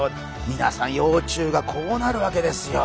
みなさん幼虫がこうなるわけですよ。